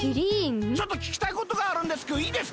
ちょっとききたいことがあるんですけどいいですか？